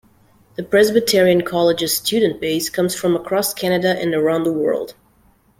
The Presbyterian College's student base comes from across Canada and around the world.